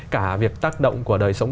cả việc tác động của đời sống